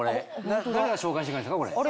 誰が紹介してくれるんですか？